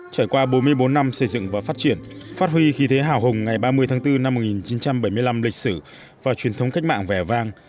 trải qua bốn mươi bốn năm xây dựng và phát triển phát huy khí thế hào hùng ngày ba mươi tháng bốn năm một nghìn chín trăm bảy mươi năm lịch sử và truyền thống cách mạng vẻ vang